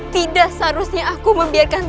tidak seharusnya aku membiarkan